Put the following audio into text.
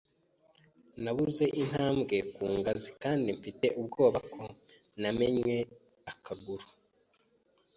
Nabuze intambwe ku ngazi kandi mfite ubwoba ko namennye akaguru.